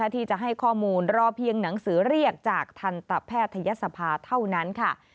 ที่จะให้ข้อมูลรอเพียงหนังสือเรียกจากทันตแพทยศภาเท่านั้นค่ะ